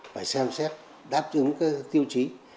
phải xem xét đáp ứng cái tiêu chí